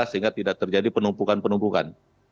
sehingga tidak terjadi penumpukan penumpukan